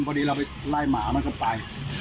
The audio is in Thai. พอดีเราไปไล่หมามันก็ไป